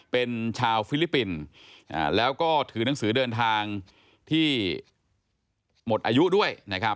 เป็นชาวฟิลิปปินส์แล้วก็ถือหนังสือเดินทางที่หมดอายุด้วยนะครับ